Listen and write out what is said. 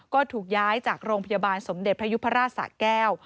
ก็ถูกย้ายจากโรงพยาบาลสมเด็จพระยุพราชสะแก้ว